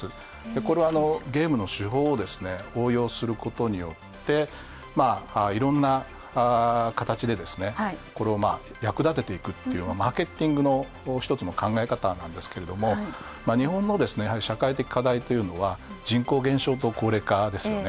これは、ゲームの手法を応用することによって、いろんな形で役立てていくというマーケティングの一つの考え方なんですけど日本の社会的課題というのは、人口減少と高齢化ですよね。